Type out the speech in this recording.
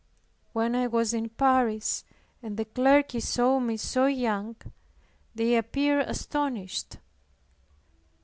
When I was in Paris, and the clergy saw me so young, they appeared astonished.